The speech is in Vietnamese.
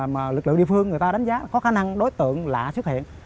mà lực lượng địa phương người ta đánh giá có khả năng đối tượng lạ xuất hiện